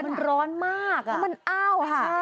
มันร้อนมากแล้วมันอ้าวค่ะ